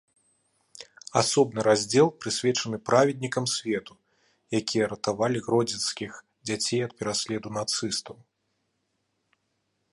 Асобны раздзел прысвечаны праведнікам свету, якія ратавалі гродзенскіх дзяцей ад пераследу нацыстаў.